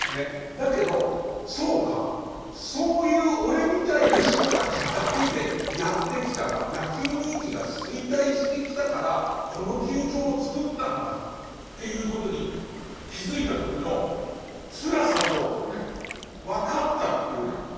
だけど「そうかそういう俺みたいな人たちだけでやってきたら野球人気が衰退してきたからこの球場をつくったんだ」ということに気付いた時のつらさと分かったっていう。